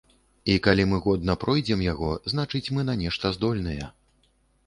І калі мы годна пройдзем яго, значыць, мы на нешта здольныя.